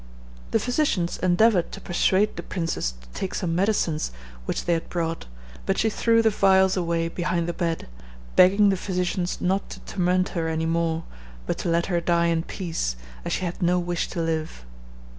The physicians endeavored to persuade the princess to take some medicines which they had brought, but she threw the phials away behind the bed, begging the physicians not to torment her any more, but to let her die in peace, as she had no wish to live.